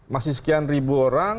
masih sekian ribu orang